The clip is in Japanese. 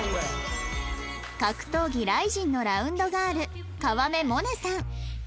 格闘技 ＲＩＺＩＮ のラウンドガール川目モネさん